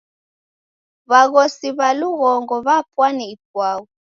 W'aghosi w'a lughongo w'apwane ipwau.